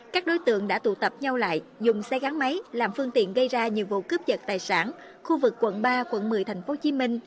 các đối tượng đã tụ tập nhau lại dùng xe gắn máy làm phương tiện gây ra nhiều vụ cướp giật tài sản khu vực quận ba quận một mươi tp hcm